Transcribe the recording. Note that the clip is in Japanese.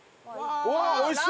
うわあおいしそう！